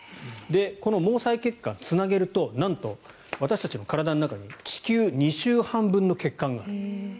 この毛細血管、つなげるとなんと私たちの体の中に地球２周半分の血管がある。